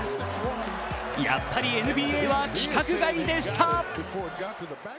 やっぱりＮＢＡは規格外でした。